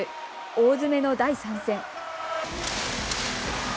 大詰めの第３戦。